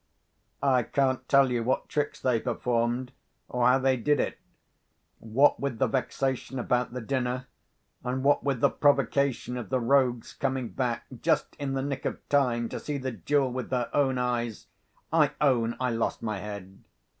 I can't tell you what tricks they performed, or how they did it. What with the vexation about the dinner, and what with the provocation of the rogues coming back just in the nick of time to see the jewel with their own eyes, I own I lost my head.